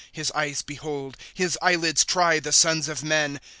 His eyes behold, His eyelids try, the sons of men.